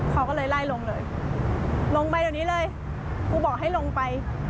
เขาก็เลยไล่ลงเลยลงไปเดี๋ยวนี้เลยกูบอกให้ลงไป